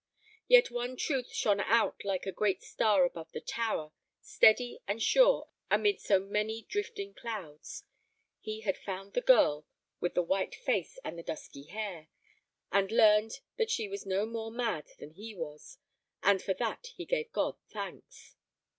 Yet one truth shone out like a great star above the tower, steady and sure amid so many drifting clouds. He had found the girl with the white face and the dusky hair, and learned that she was no more mad than he was; and for that he gave God thanks.